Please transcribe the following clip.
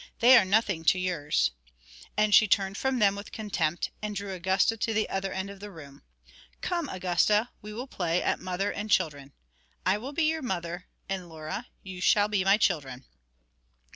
They are nothing to yours.' And she turned from them with contempt, and drew Augusta to the other end of the room. 'Come, Augusta, we will play at mother and children. I will be your mother, and Laura and you shall be my children.'